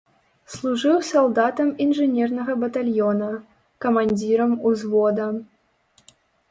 Служыў салдатам інжынернага батальёна, камандзірам узвода.